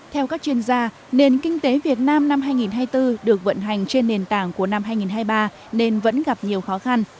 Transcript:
theo các chuyên gia nền kinh tế việt nam năm hai nghìn hai mươi bốn được vận hành trên nền tảng của năm hai nghìn hai mươi ba nên vẫn gặp nhiều khó khăn